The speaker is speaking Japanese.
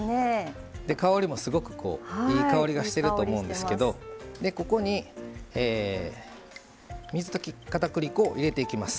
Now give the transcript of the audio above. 香りもすごくいい香りがしてると思うんですけどここに水溶きかたくり粉を入れていきます。